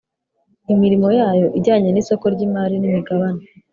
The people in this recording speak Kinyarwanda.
imirimo yayo ijyanye n isoko ry imari n imigabane